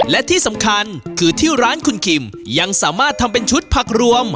และที่สำคัญคือที่ร้านคุณคิมยังสามารถทำเป็นชุดผักรวม